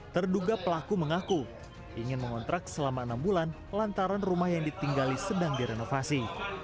terduga pelaku mengaku ingin mengontrak selama enam bulan lantaran rumah yang ditinggali sedang direnovasi